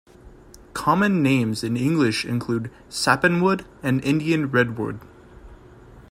Common names in English include sappanwood and Indian redwood.